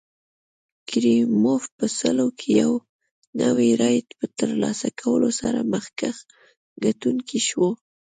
کریموف په سلو کې یو نوي رایې په ترلاسه کولو سره مخکښ ګټونکی شو.